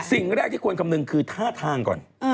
สิ่งแรกที่ควรคำนึงคือท่าทางก่อน